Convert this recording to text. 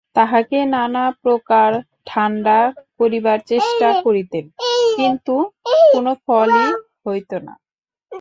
তাহাকে নানাপ্রকারে ঠাণ্ডা করিবার চেষ্টা করিতেন, কিন্তু কোনো ফলই হইত না।